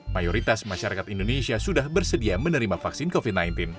mayoritas masyarakat indonesia sudah bersedia menerima vaksin covid sembilan belas